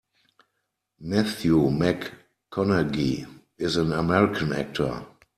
Matthew McConaughey is an American actor.